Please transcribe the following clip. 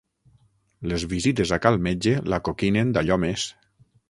Les visites a cal metge l'acoquinen d'allò més.